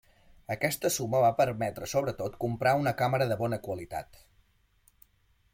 Aquesta suma va permetre sobretot comprar una càmera de bona qualitat.